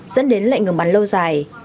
dẫn đến lệnh ngừng bắn lâu dài